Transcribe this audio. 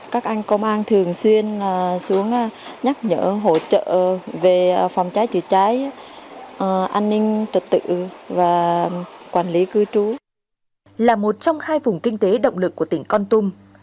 các anh công an thường xuyên xuống nhắc nhở hỗ trợ về phòng trái trừ trái an ninh trật tự và quản lý cư trú